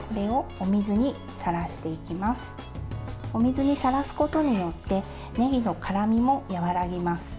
お水にさらすことによってねぎの辛みも和らぎます。